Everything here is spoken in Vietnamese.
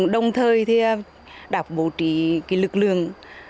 đồng thời đã bổ trí lực lượng